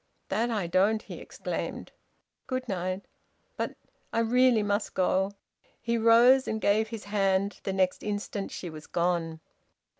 "That I don't!" he exclaimed. "Good night." "But " "I really must go." He rose and gave his hand. The next instant she was gone.